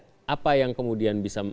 jokowi bisa kemudian bisa